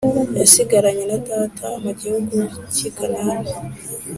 yasigaranye na data mu gihugu cy’i Kanani